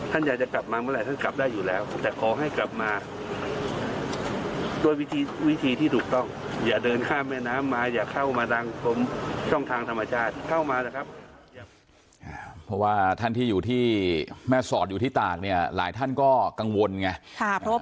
ท่านอยากจะกลับมาเมื่อไหร่ท่านกลับได้อยู่แล้วแต่ขอให้กลับมา